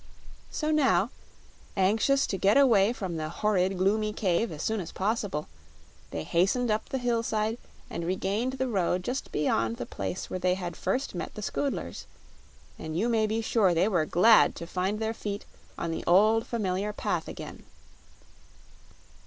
So now, anxious to get away from the horrid gloomy cave as soon as possible, they hastened up the hillside and regained the road just beyond the place where they had first met the Scoodlers; and you may be sure they were glad to find their feet on the old familiar path again.